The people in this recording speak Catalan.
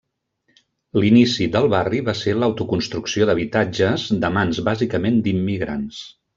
L'inici del barri va ser l'autoconstrucció d'habitatges de mans bàsicament d'immigrants.